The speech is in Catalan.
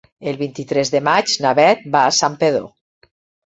El vint-i-tres de maig na Beth va a Santpedor.